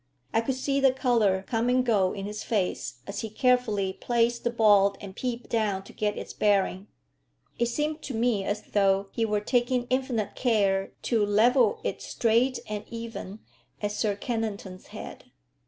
I could see the colour come and go in his face as he carefully placed the ball and peeped down to get its bearing. It seemed to me as though he were taking infinite care to level it straight and even at Sir Kennington's head.